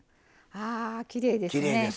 ああきれいですね！